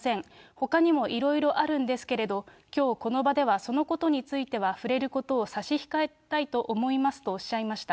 ほかにもいろいろあるんですけれども、きょうこの場では、そのことについては触れることは差し控えたいと思いますとおっしゃいました。